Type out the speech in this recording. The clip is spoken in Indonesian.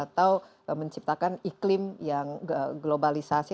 atau menciptakan iklim yang globalisasi